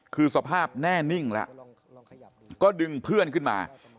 คือสภาพแน่นิ่งแล้วก็ดึงเพื่อนขึ้นมา